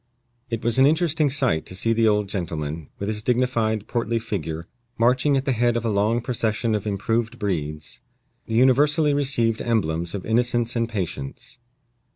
It was an interesting sight to see the old gentleman, with his dignified, portly figure, marching at the head of a long procession of improved breeds the universally received emblems of innocence and patience.